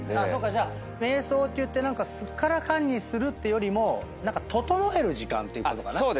じゃあ瞑想っていってすっからかんにするってよりも整える時間っていうことかな？